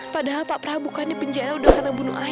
padahal pak prabu kan di penjara udah karena bunuh ayah